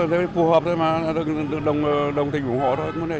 thì phù hợp thôi mà đồng tình ủng hộ thôi